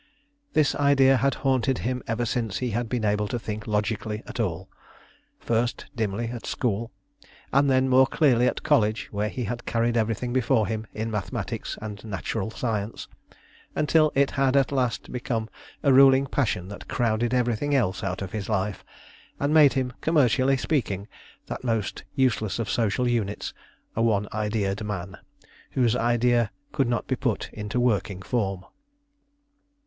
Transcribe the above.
This idea had haunted him ever since he had been able to think logically at all first dimly at school, and then more clearly at college, where he had carried everything before him in mathematics and natural science, until it had at last become a ruling passion that crowded everything else out of his life, and made him, commercially speaking, that most useless of social units a one idea'd man, whose idea could not be put into working form.